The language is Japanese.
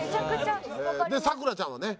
で咲楽ちゃんはね